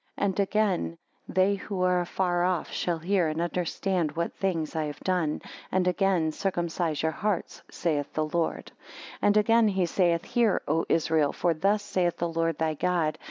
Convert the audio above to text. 2 And again, They who are afar off, shall hear and understand what things I have done. And again, Circumcise your hearts, saith the Lord. 3 And again he saith, Hear O Israel! For thus saith the Lord thy God.